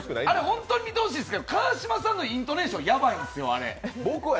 ホント、見てほしいんですけど川島さんのイントネーション、ヤバいんです。